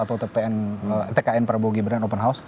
atau tkn prabowo gibran open house